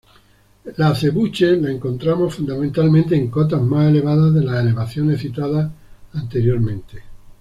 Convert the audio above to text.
La acebuche la encontramos fundamentalmente en cotas más elevadas de las elevaciones citadas anteriormente.